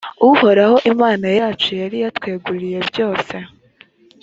uhoraho imana yacu yari yatweguriye byose.